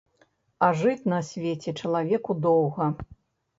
А жыць на свеце чалавеку доўга.